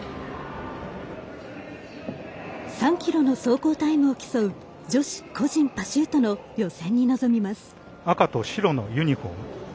３ｋｍの走行タイムを競う女子個人パシュートの予選に臨みます。